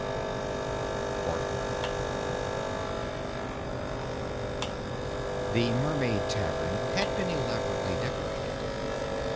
The Mermaid Tavern had been elaborately decorated.